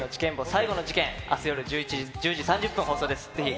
最後の事件、あす夜１０時３０分、放送です。